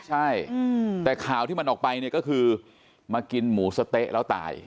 ใช่แต่ข่าวที่มันออกไปเนี่ยก็คือมากินหมูสะเต๊ะแล้วตาย